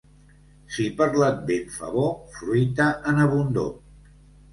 Si per l'Advent fa bo, fruita en abundor.